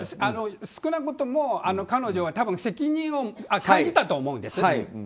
少なくとも彼女は責任を感じたと思うんです。